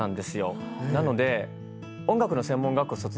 なので。